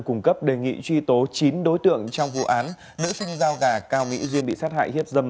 cung cấp đề nghị truy tố chín đối tượng trong vụ án nữ sinh giao gà cao mỹ duyên bị sát hại hiếp dâm